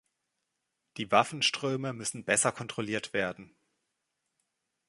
Die Waffenströme müssen besser kontrolliert werden.